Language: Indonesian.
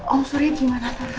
om surya gimana tante